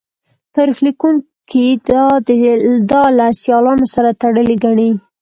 تاریخ لیکوونکي دا له سیالانو سره تړلې ګڼي